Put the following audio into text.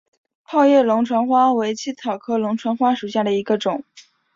泡叶龙船花为茜草科龙船花属下的一个种。